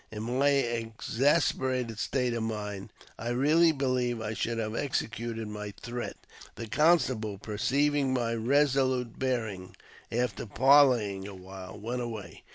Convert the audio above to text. In my exasperated state of mind, I really believe I should have executed my threat ; the constable, perceiving my resolute bearing, after parleying a while, went away.